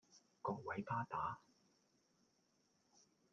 各位巴打